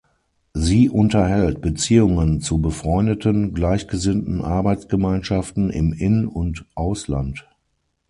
Sie unterhält Beziehungen zu befreundeten, gleichgesinnten Arbeitsgemeinschaften im In- und Ausland.